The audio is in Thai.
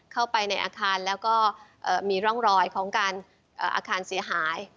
เข้าไปในอาคารแล้วก็มีร่องรอยของการอาคารเสียหาย